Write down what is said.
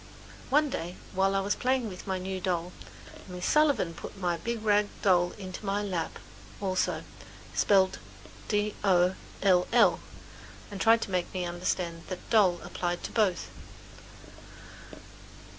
One day, while I was playing with my new doll, Miss Sullivan put my big rag doll into my lap also, spelled "d o l l" and tried to make me understand that "d o l l" applied to both.